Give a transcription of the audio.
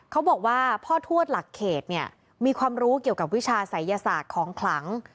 เขาบอกว่าพ่อทวดหลักเขตเนี่ยมีความรู้เกี่ยวกับวิชาศัยยศาสตร์ของขลัง